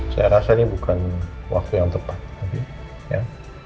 saya rasa ini bukan waktu yang tepat abi ya